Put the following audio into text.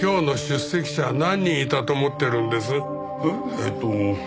えっと。